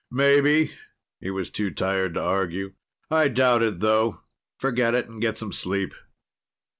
"Maybe." He was too tired to argue. "I doubt it, though. Forget it and get some sleep."